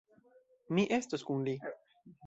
Mi estos kun li.